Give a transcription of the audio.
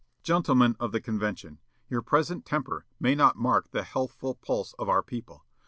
"Gentlemen of the convention, your present temper may not mark the healthful pulse of our people.